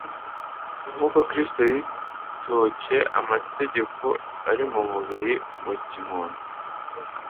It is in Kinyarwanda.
Nk'uko Kristo yitondcye amategeko ari mu mubiri wa kimuntu,